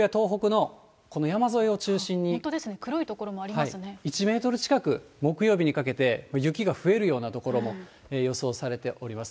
本当ですね、黒い所もありま１メートル近く、木曜日にかけて、雪が増えるような所も予想されております。